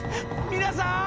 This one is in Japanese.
『皆さん！